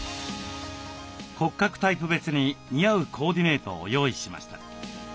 骨格タイプ別に似合うコーディネートを用意しました。